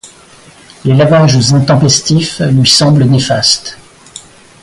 Les lavages intempestifs lui semblent néfastes.